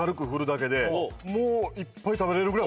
もういっぱい食べれるぐらいおいしくなる。